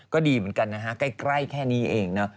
ก็ดีเหมือนกันนะฮะใกล้แค่นี้เองเนอะ